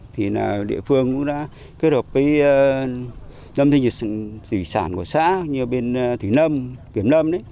thì địa phương cũng đã kết hợp với năm thị sản của xã như bên thủy nâm kiểm nâm